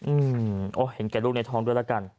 อืมโอ้เห็นแก่ลูกในท้องด้วยแล้วกัน